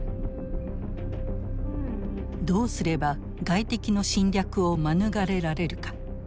どうすれば外敵の侵略を免れられるか。